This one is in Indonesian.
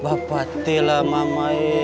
bapak telah mamai